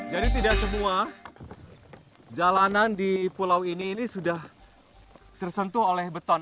jadi tidak semua jalanan di pulau ini sudah tersentuh oleh beton